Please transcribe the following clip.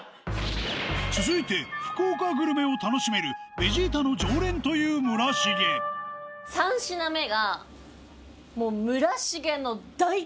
続いて福岡グルメを楽しめるベジィタの常連という村重３品目がもう。